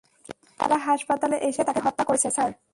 কিন্তু তারা হাসপাতালে এসে তাকে হত্যা করেছে, স্যার!